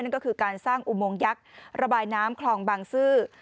ก็คือการสร้างอุโมงยักษ์ระบายน้ำคลองบางซื่อ